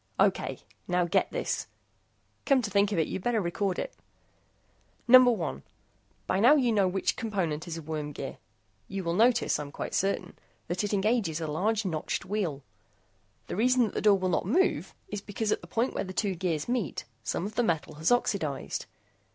"Okay. Now get this. Come to think of it, you'd better record it. Number one: By now you know which component is a worm gear. You will notice, I'm quite certain, that it engages a large notched wheel. The reason that the door will not move is because at the point where the two gears meet, some of the metal has oxidized.